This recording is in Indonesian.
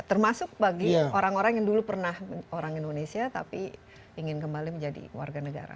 termasuk bagi orang orang yang dulu pernah orang indonesia tapi ingin kembali menjadi warga negara